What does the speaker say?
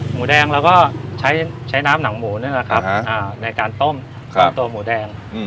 หมูแดงเราก็ใช้ใช้น้ำหนังหมูนั่นแหละครับอ่าในการต้มครับตัวหมูแดงอืม